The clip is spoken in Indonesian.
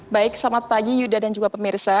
baik selamat pagi yuda dan juga pemirsa